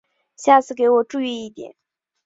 下次给我注意一点！